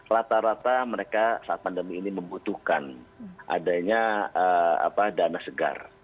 rata rata mereka saat pandemi ini membutuhkan adanya dana segar